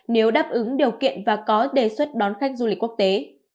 nếu đáp ứng điều kiện và có đề xuất đón khách du lịch quốc tế